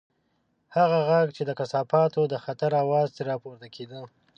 هغه غږ چې د کثافاتو د خطر اواز ترې راپورته کېده.